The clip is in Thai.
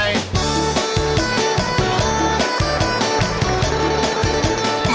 สวัสดีครับแม่